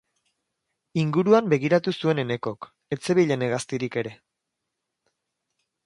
Inguruan begiratu zuen Enekok, ez zebilen hegaztirik ere.